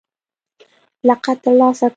لقب ترلاسه کړ